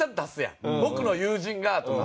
「僕の友人が」とか。